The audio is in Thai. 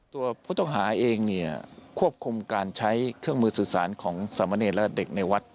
ตัวผู้ต้องหาเองเนี่ยควบคุมการใช้เครื่องมือสื่อสารของสามเนรและเด็กในวัด